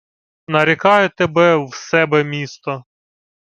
— Нарікаю тебе в себе місто.